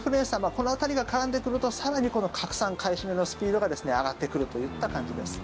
この辺りが絡んでくると更に拡散、買い占めのスピードが上がってくるといった感じです。